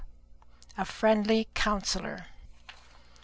A FRIENDLY COUNSELLOR.